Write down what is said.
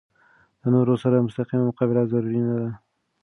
د نورو سره مستقیمه مقابله ضروري نه ده.